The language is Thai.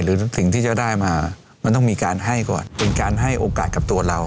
สิ่งที่จะได้มามันต้องมีการให้ก่อนเป็นการให้โอกาสกับตัวเรา